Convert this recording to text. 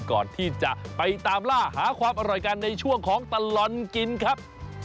ก่อนที่จะไปตามล่าหาความอร่อยกันในช่วงของตลอดกินครับ